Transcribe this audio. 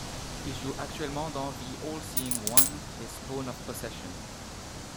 Il joue actuellement dans The Allseeing I et Spawn of Possession.